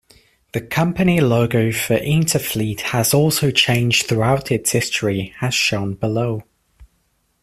The company logo for Interfleet has also changed throughout its history as shown below.